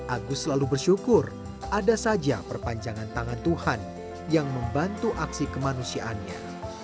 agus selalu bersyukur ada saja perpanjangan tangan tuhan yang membantu aksi kemanusiaannya